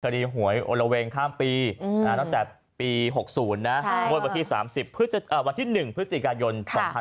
คดีหวยโอละเวงข้ามปีตั้งแต่ปี๖๐นะโมยวันที่๑พฤศจิกายน